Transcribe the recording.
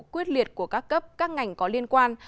quyết liệt của các cấp các ngành có liên quan